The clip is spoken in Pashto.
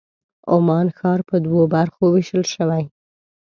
عمان ښار په دوو برخو وېشل شوی.